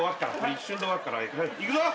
一瞬で終わっからよ。いくぞ。